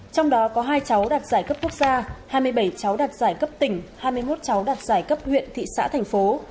trong đó có hai cháu đạt giải cấp quốc gia hai mươi bảy cháu đạt giải cấp tỉnh hai mươi một cháu đạt giải cấp huyện thị xã thành phố